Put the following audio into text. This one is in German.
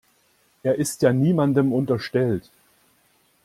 Er ist ja niemandem unterstellt.